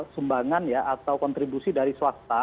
sumbangan ya atau kontribusi dari swasta